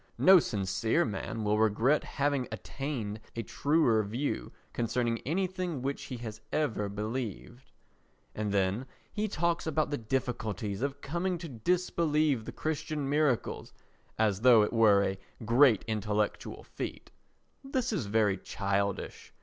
No sincere man will regret having attained a truer view concerning anything which he has ever believed. And then he talks about the difficulties of coming to disbelieve the Christian miracles as though it were a great intellectual feat. This is very childish.